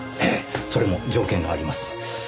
ええそれも条件があります。